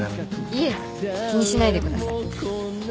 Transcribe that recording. いえ気にしないでください。